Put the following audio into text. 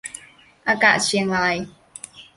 อากาศเชียงราย